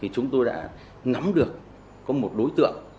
chúng tôi đã ngắm được có một đối tượng